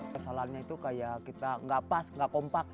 kesalahannya itu kayak kita gak pas gak kompak